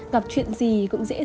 gặp chuyện gì cũng dễ thú tha